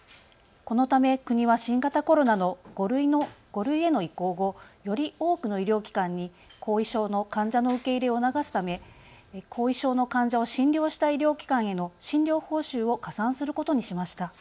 このため国は新型コロナの５類への移行後、より多くの医療機関に後遺症の患者の受け入れを促すため後遺症の患者を診療した医療機関への診療報酬を加算することにしました。